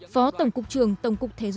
phó tổng cục trưởng tổng cục thế giới